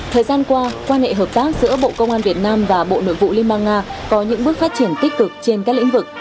thời gian qua quan hệ hợp tác giữa bộ công an việt nam và bộ nội vụ liên bang nga có những bước phát triển tích cực trên các lĩnh vực